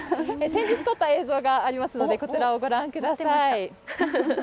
先日撮った映像がありますので、こちらをご覧ください。